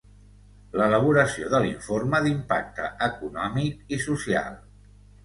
L'elaboració de l'informe d'impacte econòmic i social.